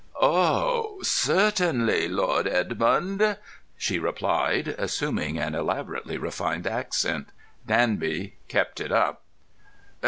"Oh, certainly, Lord Edmund," she replied, assuming an elaborately refined accent. Danby kept it up.